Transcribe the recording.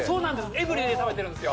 エブリィで食べてるんですよ。